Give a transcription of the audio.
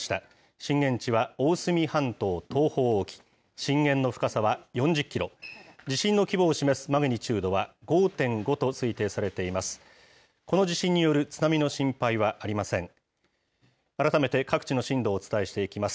震源地は大隅半島東方沖、震源の深さは４０キロ、地震の規模を示すマグニチュードは５．５と推定されています。